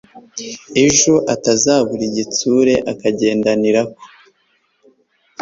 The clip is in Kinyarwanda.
ejo atazabura igitsure, akagendanira ko